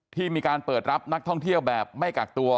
ที่มีการเปิดรับนักท่องเที่ยวแบบไม่กักตัว